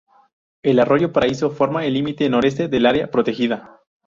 El arroyo Paraíso forma el límite noreste del área protegida.